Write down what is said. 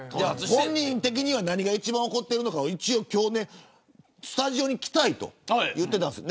本人的には何が一番怒っているのか今日スタジオに来たいと言っていたんです。